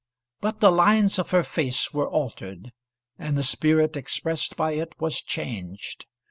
But the lines of her face were altered, and the spirit expressed by it was changed.